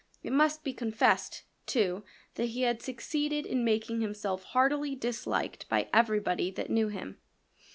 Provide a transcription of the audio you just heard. It must be confessed, too, that he had succeeded in making himself heartily disliked by everybody that knew him.